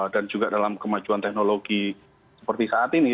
dan juga dalam kemajuan teknologi seperti saat ini